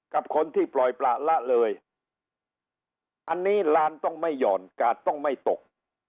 กับคนที่ปล่อยประละเลยอันนี้ลานต้องไม่หย่อนกาดต้องไม่ตก